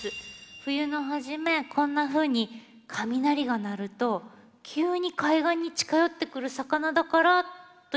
冬の初めこんなふうに雷が鳴ると急に海岸に近寄ってくる魚だからといわれてます。